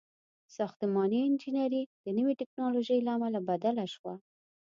• ساختماني انجینري د نوې ټیکنالوژۍ له امله بدله شوه.